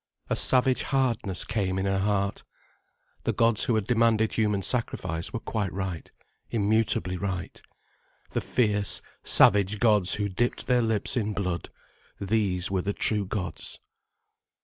A savage hardness came in her heart. The gods who had demanded human sacrifice were quite right, immutably right. The fierce, savage gods who dipped their lips in blood, these were the true gods.